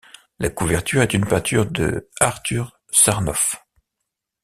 La couverture est une peinture de Arthur Sarnoff.